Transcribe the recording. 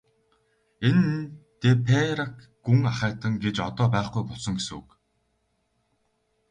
Энэ нь де Пейрак гүн ахайтан гэж одоо байхгүй болсон гэсэн үг.